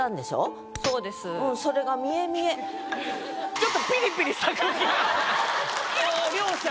ちょっとピリピリした空気が両者。